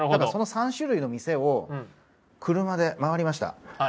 その３種類の店を車で回りました。